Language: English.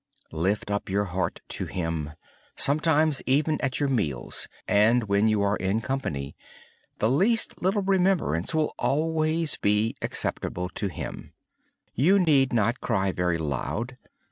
Lift up your heart to Him at your meals and when you are in company. The least little remembrance will always be pleasing to Him. You need not cry very loud.